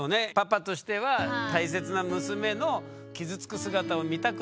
パパとしては大切な娘の傷つく姿を見たくないっていう思いね。